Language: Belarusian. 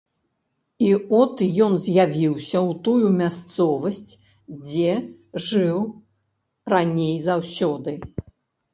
І от ён з'явіўся ў тую мясцовасць, дзе жыў раней заўсёды.